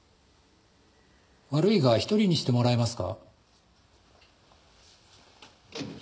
悪いが一人にしてもらえますか。